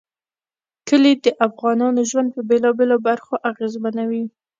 کلي د افغانانو ژوند په بېلابېلو برخو اغېزمنوي.